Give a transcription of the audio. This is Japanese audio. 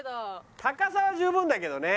高さは十分だけどね。